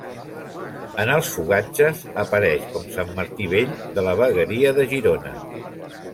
En els fogatges apareix com Sant Martí Vell, de la vegueria de Girona.